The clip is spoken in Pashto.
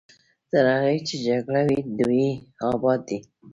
تر هغې چې جګړه وي دوی اباد دي.